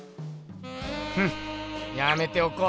フッやめておこう。